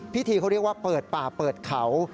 พิธีเขาเรียกว่าเปิดป่าเปิดเขา